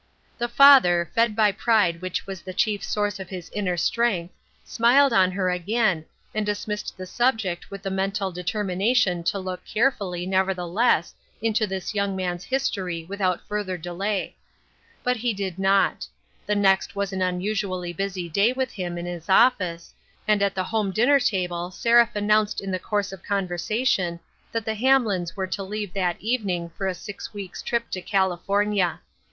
The father, fed by pride which was the chief source of his inner strength, smiled on her again, and dismissed the subject with the mental deter mination to look carefully, nevertheless, into this young man's history without further delay. But J2 DRIFTING. he did not ; the next was an unusually busy day with him in his office, and at the home dinner table Seraph announced in the course of conver sation, that the Hamlins were to leave that evening for a six weeks' trip to California.